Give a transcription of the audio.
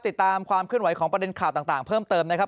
ติดตามความเคลื่อนไหวของประเด็นข่าวต่างเพิ่มเติมนะครับ